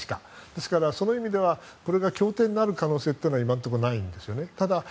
ですからその意味ではこれが協定になる可能性は今のところないんですね。